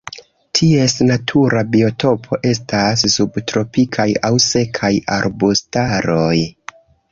Ties natura biotopo estas subtropikaj aŭ sekaj arbustaroj.